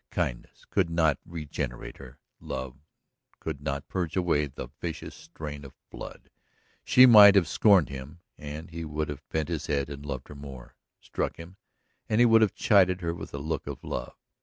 Kindness could not regenerate her, love could not purge away the vicious strain of blood. She might have scorned him, and he would have bent his head and loved her more; struck him, and he would have chided her with a look of love.